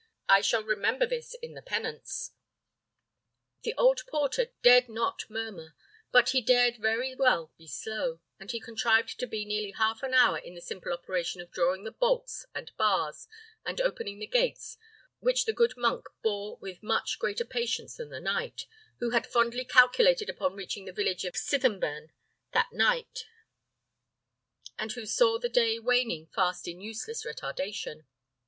I shall remember this in the penance." The old porter dared not murmur, but he dared very well be slow, and he contrived to be nearly half an hour in the simple operation of drawing the bolts and bars, and opening the gates, which the good monk bore with much greater patience than the knight, who had fondly calculated upon reaching the village of Sithenburn that night, and who saw the day waning fast in useless retardation.